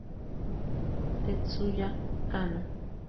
Tetsuya Kanno